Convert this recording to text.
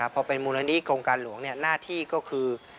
พอเป็นมูลนิธิโครงการหลวงหน้าที่ก็คือ